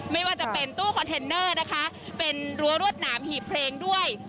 ไม่ว่าจะเป็นตู้คอนเทนเนอร์นะคะเป็นรั้วรวดหนามหีบเพลงด้วย